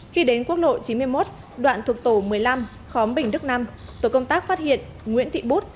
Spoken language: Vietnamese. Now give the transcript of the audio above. khi đến quốc lộ chín mươi một đoạn thuộc tổ một mươi năm khóm bình đức năm tổ công tác phát hiện nguyễn thị bút